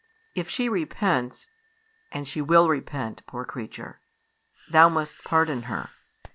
If she repents and she will repent, poor creature thou must pardon her."